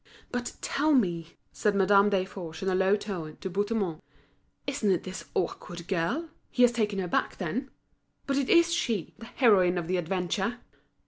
"But, tell me," said Madame Desforges, in a low tone, to Bouthemont, "isn't it this awkward girl? He has taken her back, then? But it is she, the heroine of the adventure!"